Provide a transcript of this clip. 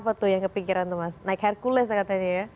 apa tuh yang kepikiran tuh mas naik hercules katanya ya